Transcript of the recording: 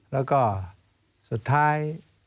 แล้วก็สุดท้าย